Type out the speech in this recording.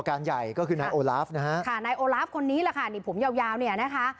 ตัวการใหญ่ก็คือนายโอลาฟคืนนี้ล่ะค่ะนี่ผมยาวเนี้ยนะคะ